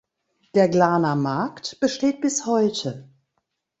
Der Glaner Markt besteht bis heute.